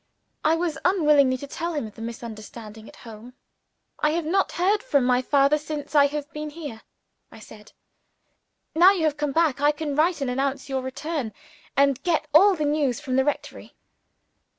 I was unwilling to tell him of the misunderstanding at home. "I have not heard from my father since I have been here," I said. "Now you have come back, I can write and announce your return, and get all the news from the rectory."